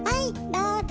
どうぞ。